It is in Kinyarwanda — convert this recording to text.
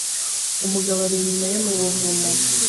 Umugabo ari inyuma ye mu buvumo